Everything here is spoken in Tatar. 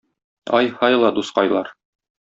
Ай-һай ла, дускайлар